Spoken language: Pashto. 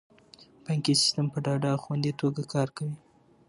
بانکي سیستم په ډاډه او خوندي توګه کار کوي.